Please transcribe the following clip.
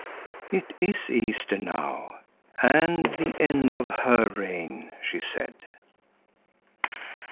"It is Easter now, and the end of her reign," she said.